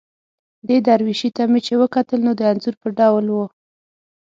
دې درویشي ته مې چې وکتل، نو د انځور په ډول وه.